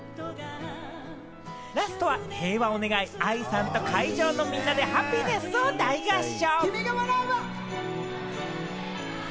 ラストは平和を願い、ＡＩさんと会場のみんなで『ハピネス』を大合唱。